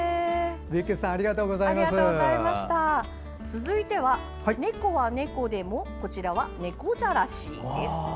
続いては、猫は猫でもこちらは猫じゃらしです。